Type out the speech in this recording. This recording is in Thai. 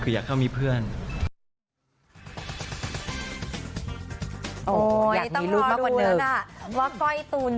คืออยากมีมากกว่าหนึ่ง